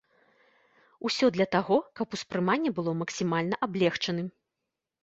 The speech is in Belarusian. Усё для таго, каб успрыманне было максімальна аблегчаным.